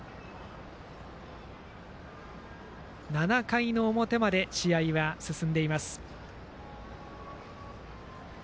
７回表まで試合は進んでいます。